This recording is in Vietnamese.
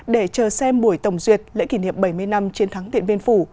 để chờ xem buổi tổng duyệt lễ kỷ niệm bảy mươi năm chiến thắng điện biên phủ